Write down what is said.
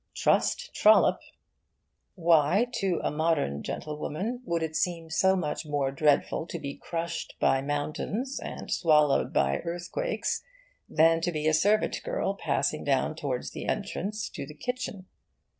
Trust Trollope. Why to a modern gentlewoman would it seem so much more dreadful to be crushed by mountains and swallowed by earthquakes than to be a servant girl passing down towards the entrance to the kitchen?